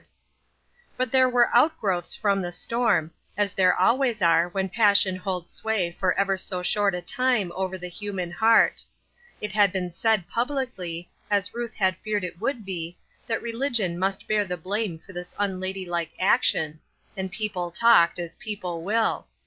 90 SLIPPERY GROUND. But there were outgrowths from the storm, as there always are when passion holds sway for ever so short a time over the human heart. It had been said publicly, as Ruth had feared it would be, that religion must bear the blame for this unladylike action, and people talked, as people will.